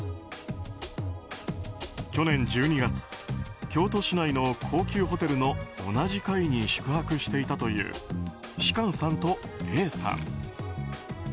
去年１２月京都市内の高級ホテルの同じ階に宿泊していたという芝翫さんとＡさん。